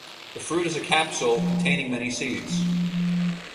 The fruit is a capsule containing many seeds.